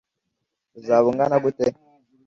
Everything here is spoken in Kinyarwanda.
uzaba ungana gute